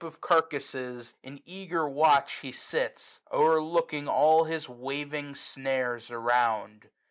Of carcasses, in eager watch he sits. Overlooking all his waving snares around.